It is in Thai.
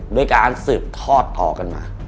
ด้วยการสืบทอดต่อกันมา